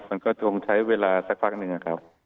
มันก็จงใช้เวลาสักพักหนึ่งนะครับ